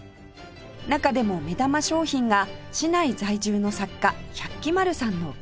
中でも目玉商品が市内在住の作家百鬼丸さんの切り絵です